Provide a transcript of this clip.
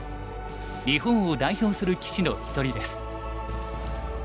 日本を代表する棋士の一人です。